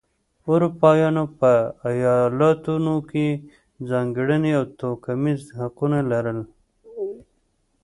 اروپایانو په ایالتونو کې ځانګړي او توکمیز حقونه لرل.